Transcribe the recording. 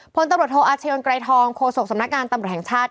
พลตำรวจโทอาเชิญไกรทองโฆษกสำนักงานตำรวจแห่งชาติ